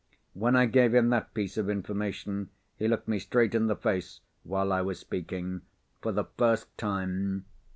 When I gave him that piece of information, he looked me straight in the face, while I was speaking, for the first time.